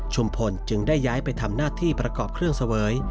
พลจึงได้ย้ายไปทำหน้าที่ประกอบเครื่องเสวย